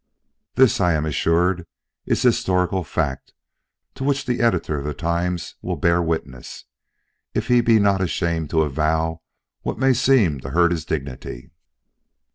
This, I am assured, is historical fact, to which the Editor of the Times will bear witness, if he be not ashamed to avow what may seem to hurt his dignity.